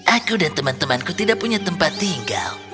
aku dan teman temanku tidak punya tempat tinggal